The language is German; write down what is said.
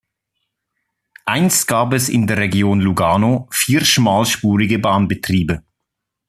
Einst gab es in der Region Lugano vier schmalspurige Bahnbetriebe.